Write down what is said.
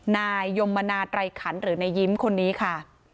นายยมมนาไตรขันหรือนายยิ้มคนนี้ค่ะ